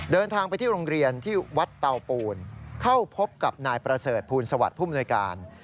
เดินทางไปที่โรงเรียนที่วัดเตาปูนเข้าพบกับนายประเสริฐภูลสวัสดิ์ภูมิหน่วยการ